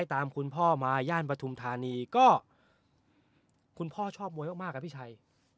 ตามคุณพ่อมาย่านปฐุมธานีก็คุณพ่อชอบมวยมากครับพี่ชัย